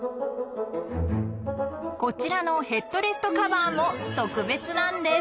［こちらのヘッドレストカバーも特別なんです］